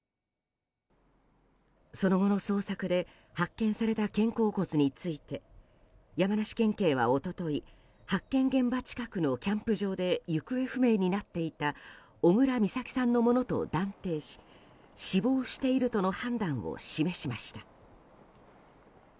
その後の捜索で発見された肩甲骨について山梨県警は一昨日発見現場近くのキャンプ場で行方不明になっていた小倉美咲さんのものと断定し死亡しているとの判断を示しました。